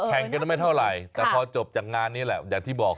แข่งกันไม่เท่าไหร่แต่พอจบจากงานนี้แหละอย่างที่บอก